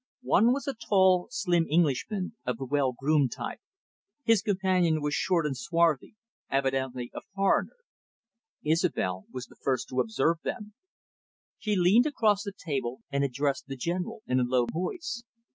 One was a tall, slim Englishman of the well groomed type. His companion was short and swarthy, evidently a foreigner. Isobel was the first to observe them. She leaned across the table, and addressed the General in a low voice.